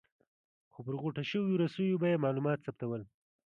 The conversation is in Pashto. خو پر غوټه شویو رسیو به یې معلومات ثبتول.